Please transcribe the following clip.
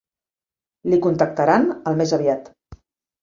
Li contactaran al més aviat.